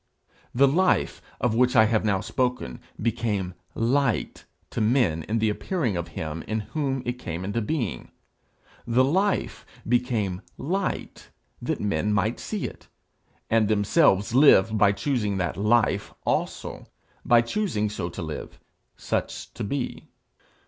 The life of which I have now spoken became light to men in the appearing of him in whom it came into being. The life became light that men might see it, and themselves live by choosing that life also, by choosing so to live, such to be.